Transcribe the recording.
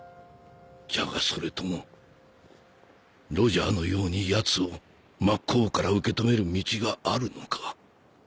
じゃがそれともロジャーのようにやつを真っ向から受け止める道があるのか。